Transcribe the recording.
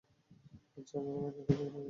আচ্ছা, আমরা কালকে রওনা দেব।